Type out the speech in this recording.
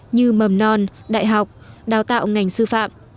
như mầm non đại học đào tạo ngành sư phạm